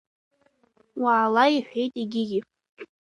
Уаала, — иҳәеит егьигьы.